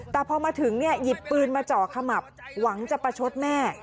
แต่พอมาถึงหยิบปืนมาเจาะขมับหวังจะประชดแม่